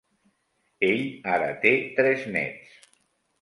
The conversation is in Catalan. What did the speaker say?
Ell ara té tres nets.